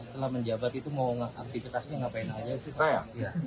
setelah menjabat itu mau ngakak dikasih ngapain aja sih saya